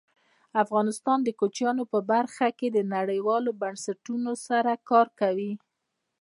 افغانستان د کوچیان په برخه کې نړیوالو بنسټونو سره کار کوي.